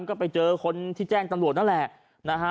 ก็ไปเจอคนที่แจ้งตำรวจนั่นแหละนะฮะ